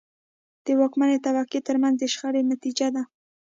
د واکمنې طبقې ترمنځ د شخړې نتیجه ده.